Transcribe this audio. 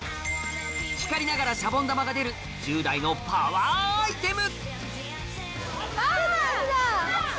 光ながらシャボン玉が出る１０代のパワーアイテム！